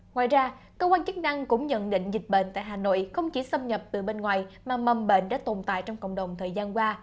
ngoài ra cơ quan chức năng cũng nhận định dịch bệnh tại hà nội không chỉ xâm nhập từ bên ngoài mà mầm bệnh đã tồn tại trong cộng đồng thời gian qua